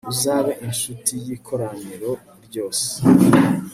uzabe incuti y'ikoraniro ryose